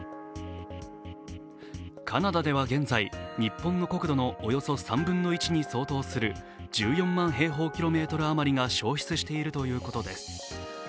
カナダでは現在日本の国土のおよそ３分の１に相当する１４万平方キロメートルあまりが焼失しているということです。